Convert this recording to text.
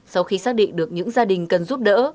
sau khi xác định được những gia đình cần giúp đỡ